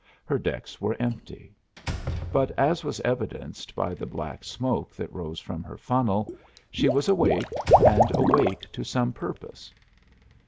Her decks were empty. But, as was evidenced by the black smoke that rose from her funnel, she was awake and awake to some purpose.